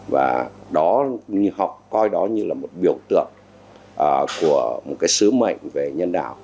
và đó như học coi đó như là một biểu tượng của một cái sứ mệnh về nhân đạo